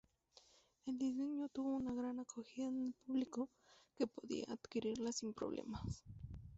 El diseño tuvo una gran acogida en el público, que podía adquirirla sin problemas.